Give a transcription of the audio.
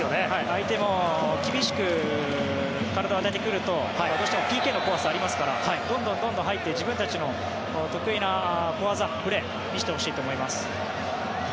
相手も厳しく体を当ててくるとどうしてもＰＫの怖さがありますからどんどん入って自分たちの得意な小技、プレーを見せてほしいと思います。